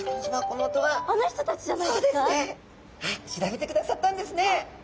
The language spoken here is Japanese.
調べてくださったんですね。